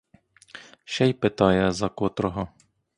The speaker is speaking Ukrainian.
Ще й питає, за котрого.